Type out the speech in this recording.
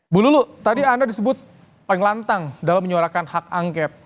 bu lulu tadi anda disebut paling lantang dalam menyuarakan hak angket